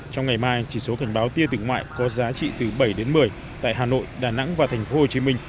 trong ngày mai chỉ số cảnh báo tia tỉnh ngoại có giá trị từ bảy đến một mươi tại hà nội đà nẵng và tp hcm